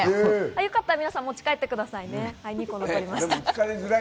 よければ皆さん、持ち帰ってくださいね。